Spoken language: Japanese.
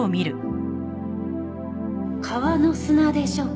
川の砂でしょうか？